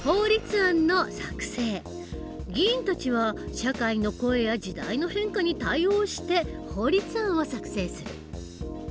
議員たちは社会の声や時代の変化に対応して法律案を作成する。